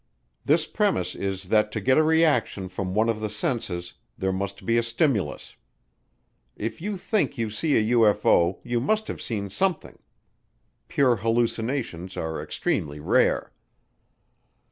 This premise is that to get a reaction from one of the senses there must be a stimulus. If you think you see a UFO you must have seen something. Pure hallucinations are extremely rare.